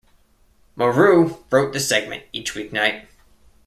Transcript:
Marrou wrote the segment each weeknight.